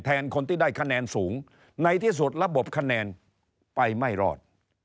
คนที่ได้คะแนนสูงในที่สุดระบบคะแนนไปไม่รอด